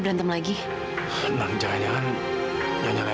dan selama ini